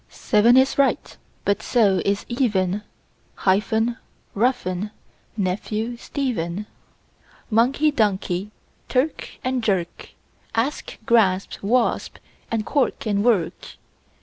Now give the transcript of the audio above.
Seven is right, but so is even; Hyphen, roughen, nephew, Stephen; Monkey, donkey; clerk and jerk; Asp, grasp, wasp; and cork and work.